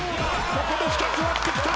ここで２つ割ってきた！